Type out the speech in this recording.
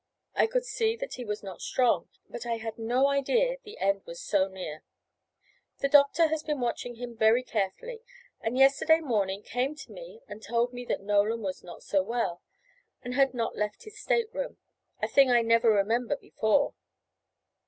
I could see that he was not strong, but I had no idea the end was so near. The doctor has been watching him very carefully, and yesterday morning came to me and told me that Nolan was not so well, and had not left his state room a thing I never remember before.